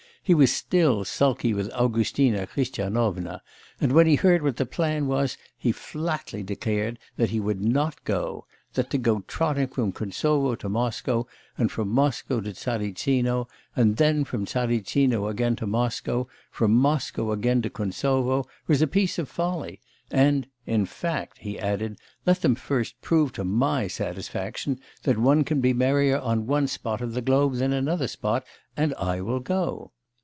He was still sulky with Augustina Christianovna; and when he heard what the plan was, he flatly declared that he would not go; that to go trotting from Kuntsovo to Moscow and from Moscow to Tsaritsino, and then from Tsaritsino again to Moscow, from Moscow again to Kuntsovo, was a piece of folly; and, 'in fact,' he added, 'let them first prove to my satisfaction, that one can be merrier on one spot of the globe than another spot, and I will go.